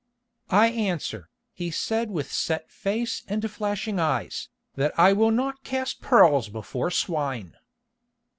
"I answer," he said with set face and flashing eyes, "that I will not cast pearls before swine."